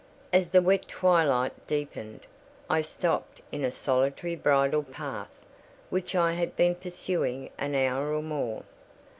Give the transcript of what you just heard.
As the wet twilight deepened, I stopped in a solitary bridle path, which I had been pursuing an hour or more.